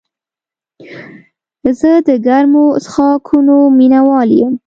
زه د ګرمو څښاکونو مینه وال یم.